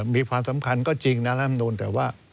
มีความสำคัญก็จริงนะร่ำนูนแต่ว่า